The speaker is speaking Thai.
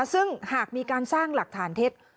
ซึ่งหากมีการสร้างหลักฐานเท็จ